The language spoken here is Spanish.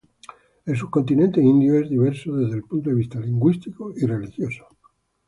El subcontinente indio es diverso desde el punto de vista lingüístico y religioso.